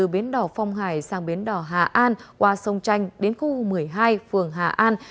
bến đỏ phong hải sang bến đỏ hà an qua sông tranh đến khu một mươi hai phường hà an